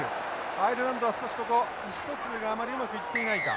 アイルランドは少しここ意思疎通があまりうまくいっていないか。